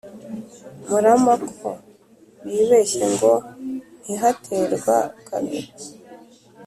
murama ko bibeshye ngo ntihaterwa kabiri,